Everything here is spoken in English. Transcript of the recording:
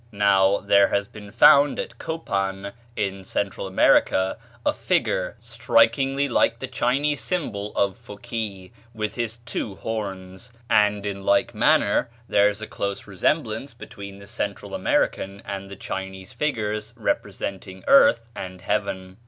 "Now, there has been found at Copan, in Central America, a figure strikingly like the Chinese symbol of Fokee, with his two horns; and, in like manner, there is a close resemblance between the Central American and the Chinese figures representing earth and heaven.